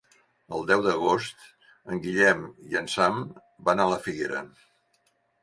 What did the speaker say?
El deu d'agost en Guillem i en Sam van a la Figuera.